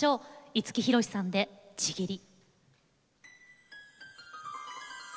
五木ひろしさんで「契り」。